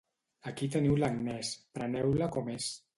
Aquí teniu l'Agnès, preneu-la com és.